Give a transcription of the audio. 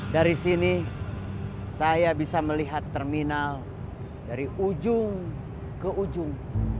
dari sini saya bisa melihat terminal dari ujung ke ujung